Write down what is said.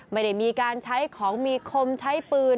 ไม่ได้มีการใช้ของมีคมใช้ปืน